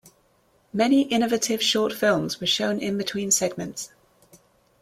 Many innovative short films were shown in between segments.